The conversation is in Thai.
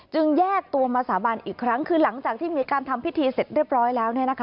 แยกตัวมาสาบานอีกครั้งคือหลังจากที่มีการทำพิธีเสร็จเรียบร้อยแล้ว